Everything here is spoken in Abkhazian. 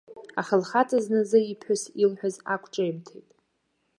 Аха лхаҵа зназы иԥҳәыс илҳәаз ақәҿимҭит.